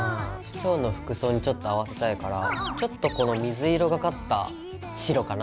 今日の服装にちょっと合わせたいからちょっとこの水色がかった白かな。